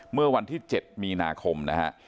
เมื่อวันที่๗มีนาคมนะฮะ